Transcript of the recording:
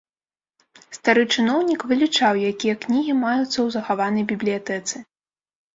Стары чыноўнік вылічаў, якія кнігі маюцца ў захаванай бібліятэцы.